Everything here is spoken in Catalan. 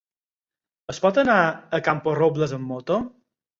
Es pot anar a Camporrobles amb moto?